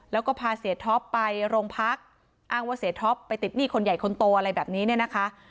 แล้วก็พาเสียท็อปไปโรงพักอ้างว่าเสียท็อปไปติดหนี้คนใหญ่คนโตอะไรแบบนี้เนี่ยนะคะ